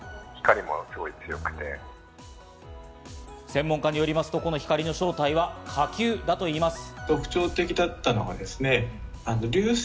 専門家によりますと、この光の正体は火球だといいます。